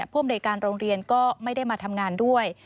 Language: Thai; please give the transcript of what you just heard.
ผู้อำนวยการโรงเรียนก็ไม่ได้มาทำงานด้วย